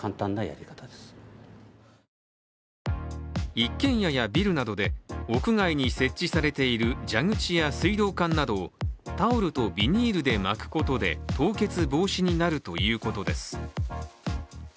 一軒家やビルなどで、屋外に設置されている蛇口や水道管などをタオルとビニールで巻くことで凍結防止になるということです。